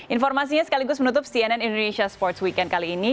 informasinya sekaligus menutup cnn indonesia sports weekend kali ini